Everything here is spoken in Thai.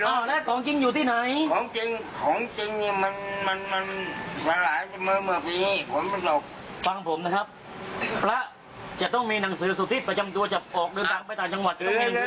จะต้องมีหนังสือสุธิตประจำตัวจากออกด้วยกลางไปต่างจังหวัดจะต้องมีหนังสือสุธิตประจำตัวจากออกด้วยกลางไปต่างจังหวัด